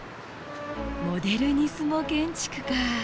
モデルニスモ建築か！